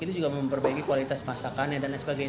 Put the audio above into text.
itu juga memperbaiki kualitas masakannya dan lain sebagainya